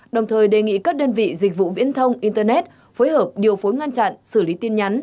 đồng thời đề nghị các đơn vị dịch vụ viễn thông internet phối hợp điều phối ngăn chặn xử lý tin nhắn